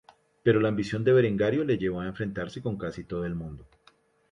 Pero la ambición de Berengario le llevó a enfrentarse con casi todo el mundo.